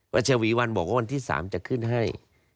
ชวีวันบอกว่าวันที่๓จะขึ้นให้